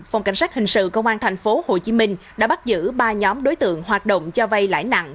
phòng cảnh sát hình sự công an tp hcm đã bắt giữ ba nhóm đối tượng hoạt động cho vay lãi nặng